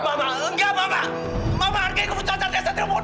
mama nggak mama mama hargai keputusan satria satria pun